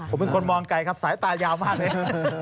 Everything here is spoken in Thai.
ผมเป็นคนมองไกลครับสายตายาวมากเลย